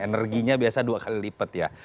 energinya biasa dua kali lipat ya